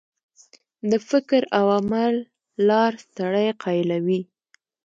د فکر او عمل لار سړی قایلوي.